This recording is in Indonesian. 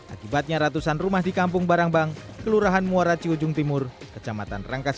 akibatnya ratusan rumah di kampung barangbang kelurahan muaraci ujung timur kecamatan rangkas